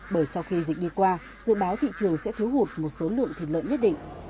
bởi sau khi dịch đi qua dự báo thị trường sẽ thiếu hụt một số lượng thịt lợn nhất định